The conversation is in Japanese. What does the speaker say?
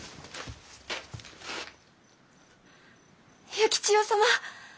幸千代様！